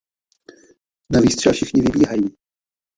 Na výstřel všichni vybíhají.